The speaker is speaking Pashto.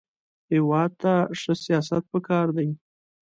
هېواد ته ښه سیاست پکار دی